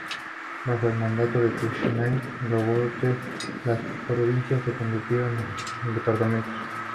Bajo el mandato de Toussaint Louverture, las provincias se convirtieron en departamentos.